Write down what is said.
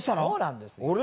そうなんですよ。